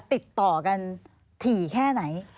ติดต่อกันถี่แค่ไหน